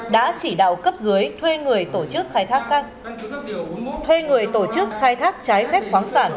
đã chỉ đạo cấp dưới thuê người tổ chức khai thác trái phép khoáng sản